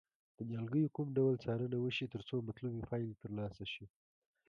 د نیالګیو کوم ډول څارنه وشي ترڅو مطلوبې پایلې ترلاسه شي.